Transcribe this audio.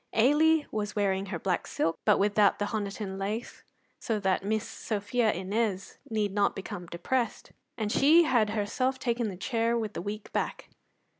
Ailie was wearing her black silk, but without the Honiton lace, so that Miss Sophia Innes need not become depressed; and she had herself taken the chair with the weak back.